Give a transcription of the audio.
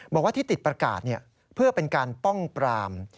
บอกว่าที่ติดประกาศเพื่อเป็นการป้องปราม